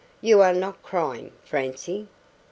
You are not crying, Francie?"